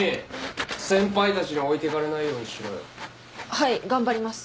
はい頑張ります。